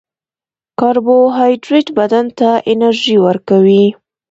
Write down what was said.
کاربوهایډریټ بدن ته انرژي ورکوي